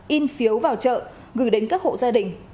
in phiếu vào chợ gửi đến các hộ gia đình